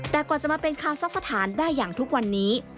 แต่กว่าจะมาเป็นคาซักสถานได้อย่างทุกวันนี้